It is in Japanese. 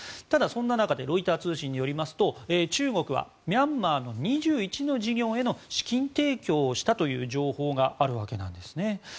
ただ、そんな中でロイター通信によりますと中国はミャンマーの２１の事業への資金提供をしたという情報があるわけなんですね。